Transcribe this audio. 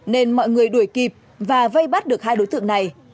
nên mọi người đuổi kịp và vây bắt được hai đối tượng này